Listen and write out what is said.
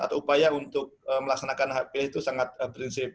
kupaya untuk melaksanakan hp itu sangat berinsip